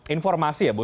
informasi ya bu